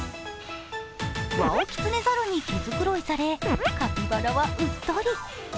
ワオキツネザルに毛づくろいされ、カピバラはうっとり。